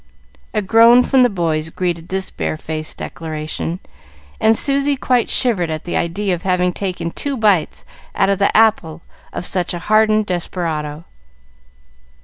A groan from the boys greeted this bare faced declaration, and Susy quite shivered at the idea of having taken two bites out of the apple of such a hardened desperado.